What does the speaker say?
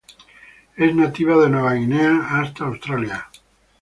Es nativa de Nueva Guinea hasta Australia.